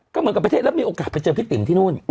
ก็เหมือนกับประเทศแล้วมีโอกาสไปเจอพี่ติ๋มที่นู่น